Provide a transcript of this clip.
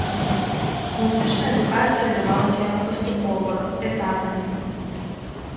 Музычная адукацыя давалася яму паступова, этапамі.